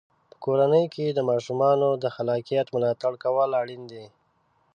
په کورنۍ کې د ماشومانو د خلاقیت ملاتړ کول اړین دی.